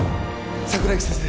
桜木先生！